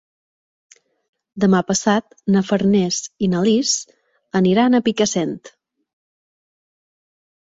Demà passat na Farners i na Lis aniran a Picassent.